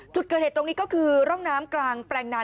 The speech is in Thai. จุดเกิดเหตุตรงนี้ก็คือร่องน้ำกลางแปลงนา